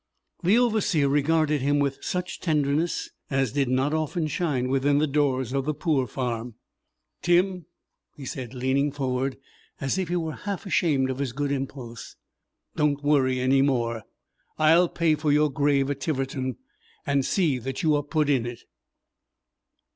The Overseer regarded him with such tenderness as did not often shine within the doors of the poor farm. "Tim," he said, leaning forward as if he were half ashamed of his good impulse, "don't worry any more. I'll pay for your grave at Tiverton, and see that you are put in it."